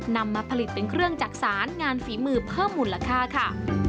นำมาผลิตเป็นเครื่องจักษานงานฝีมือเพิ่มมูลค่าค่ะ